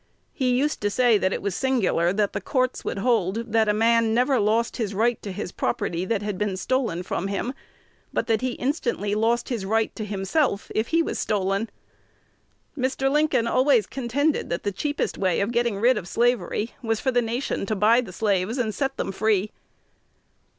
He used to say that it was singular that the courts would hold that a man never lost his right to his property that had been stolen from him, but that he instantly lost his right to himself if he was stolen. Mr. Lincoln always contended that the cheapest way of getting rid of slavery was for the nation to buy the slaves, and set them free."